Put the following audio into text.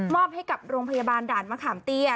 อบให้กับโรงพยาบาลด่านมะขามเตี้ย